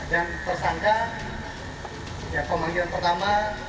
dan tersangka pemanggilan pertama